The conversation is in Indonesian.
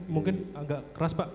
mungkin agak keras pak